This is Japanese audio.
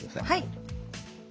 はい。